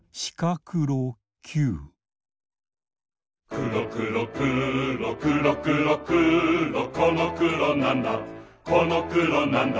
くろくろくろくろくろくろこのくろなんだこのくろなんだ